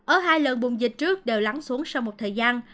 ở hai lần bùng dịch trước đều lắng xuống sau một thời gian